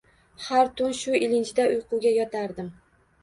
Har tun shu ilinjda uyquga yotardim.